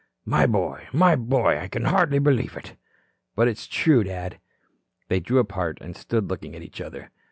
"My boy, my boy. I can hardly believe it." "But it's true, Dad." They drew apart and stood looking at each other.